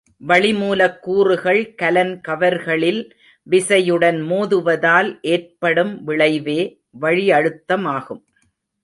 வளிமூலக்கூறுகள் கலன் கவர்களில் விசையுடன் மோதுவதால் ஏற்படும் விளைவே வளியழுத்தமாகும்.